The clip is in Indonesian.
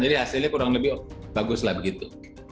jadi hasilnya kurang lebih bagus lah begitu